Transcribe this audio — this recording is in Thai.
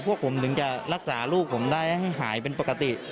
พวกผมถึงจะรักษาลูกผมได้ให้หายเป็นปกติ